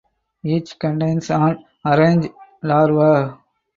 Each contains an orange larva.